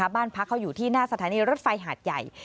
บ้านพักเขาอยู่ที่หน้าสถานีรถไฟหาดใหญ่